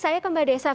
saya ke mbak desaf